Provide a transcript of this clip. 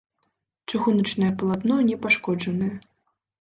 Чыгуначнае палатно не пашкоджанае.